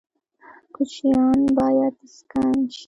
کوچیان باید اسکان شي